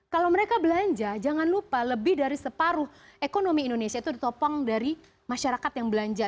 kalau mereka belanja jangan lupa lebih dari separuh ekonomi indonesia itu ditopang dari masyarakat yang belanja